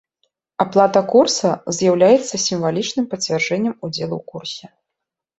Аплата курса з'яўляецца сімвалічным пацвярджэннем удзелу ў курсе.